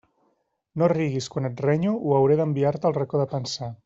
No riguis quan et renyo o hauré d'enviar-te al racó de pensar.